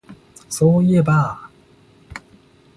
そういえば